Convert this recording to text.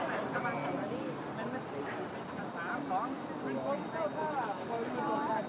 สำหรับเรือยน์ส่วนตรวจการนะคะมีจำนวนทั้งหมด๑๔ลำยกอยู่กัน